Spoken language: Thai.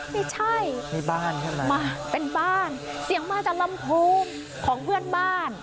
ไม่ใช่นี่บ้านใช่ไหมมาเป็นบ้านเสียงมาจากลำโพงของเพื่อนบ้าน